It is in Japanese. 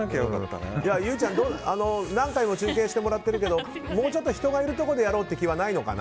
唯ちゃん何回も中継してもらってるけどもうちょっと人がいるところでやろうっていう気はないのかな。